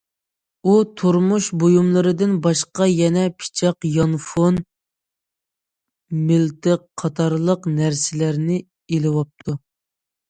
ئۇ تۇرمۇش بۇيۇملىرىدىن باشقا يەنە پىچاق، يانفون، مىلتىق قاتارلىق نەرسىلەرنى ئېلىۋاپتۇ.